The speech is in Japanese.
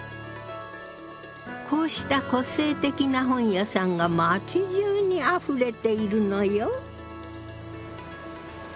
こうした個性的な本屋さんが街じゅうにあふれているのよ。